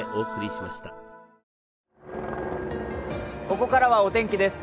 ここからはお天気です。